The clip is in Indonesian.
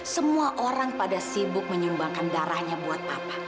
semua orang pada sibuk menyumbangkan darahnya buat apa